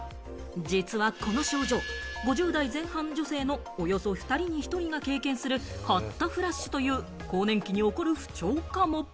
実はこの症状、５０代前半女性のおよそ２人に１人が経験するホットフラッシュという更年期に起こる不調かも？